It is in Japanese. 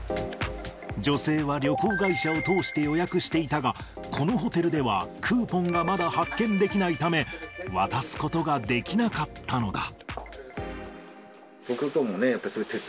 女性は旅行会社を通して予約していたが、このホテルではクーポンがまだ発券できないため、渡すことができなかったのだ。